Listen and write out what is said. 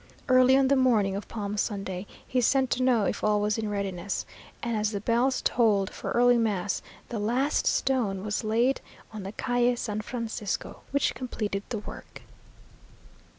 Early on the morning of Palm Sunday, he sent to know if all was in readiness; and as the bells tolled for early mass, the last stone was laid on the Calle San Francisco, which completed the work....